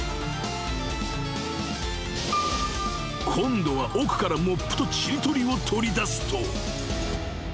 ［今度は奥からモップとちり取りを取り出すと］